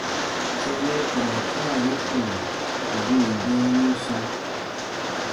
Tɔnu ku ra faari ko goon gãanun sɔ̃.